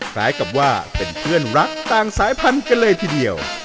คล้ายกับว่าเป็นเพื่อนรักต่างสายพันธุ์กันเลยทีเดียว